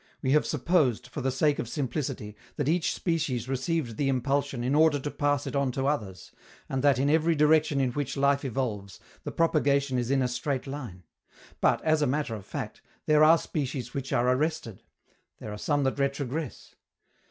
We have supposed, for the sake of simplicity, that each species received the impulsion in order to pass it on to others, and that, in every direction in which life evolves, the propagation is in a straight line. But, as a matter of fact, there are species which are arrested; there are some that retrogress.